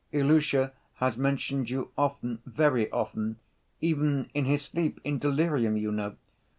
"Ilusha has mentioned you often, very often, even in his sleep, in delirium, you know.